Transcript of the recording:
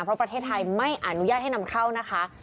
เพราะประเทศไทยไม่อนุญาตให้นำเข้านะคะ